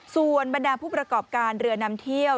ส่วนบรรดาผู้ประกอบการเรือนำเที่ยว